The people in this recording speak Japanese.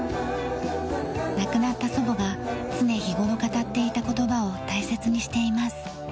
亡くなった祖母が常日頃語っていた言葉を大切にしています。